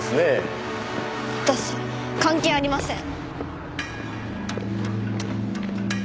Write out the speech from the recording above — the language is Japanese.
私関係ありません。